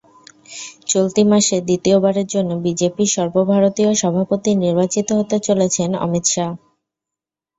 চলতি মাসে দ্বিতীয়বারের জন্য বিজেপির সর্বভারতীয় সভাপতি নির্বাচিত হতে চলেছেন অমিত শাহ।